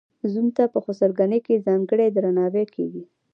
زوم ته په خسرګنۍ کې ځانګړی درناوی کیږي.